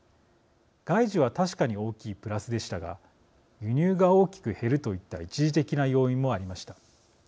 外需は確かに大きいプラスでしたが輸入が大きく減るといった一時的な要因もありました。